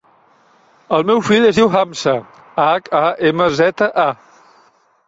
El meu fill es diu Hamza: hac, a, ema, zeta, a.